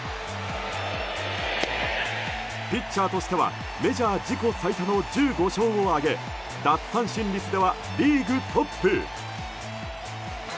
ピッチャーとしてはメジャー自己最多の１５勝を挙げ奪三振率ではリーグトップ。